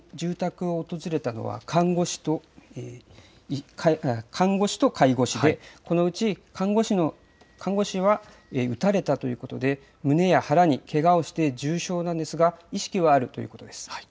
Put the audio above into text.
医師と一緒に住宅を訪れたのは看護師と介護士でこのうち看護師は撃たれたということで胸や腹にけがをして重傷なんですが意識はあるということです。